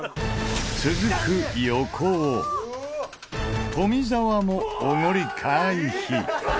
続く横尾富澤もオゴリ回避。